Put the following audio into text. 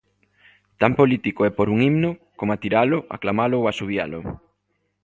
Tan político é pór un himno coma tiralo, aclamalo ou asubialo.